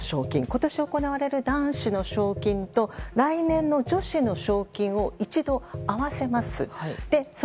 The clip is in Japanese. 今年、行われる男子の賞金と来年の女子の賞金を一度合わせます。